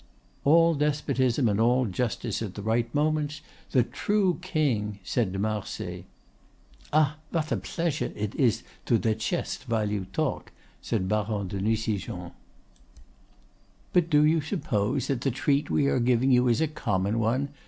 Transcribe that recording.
"All despotism and all justice at the right moments. The true king!" said de Marsay. "Ah! vat a pleashre it is to dichest vile you talk," said Baron de Nucingen. "But do you suppose that the treat we are giving you is a common one?"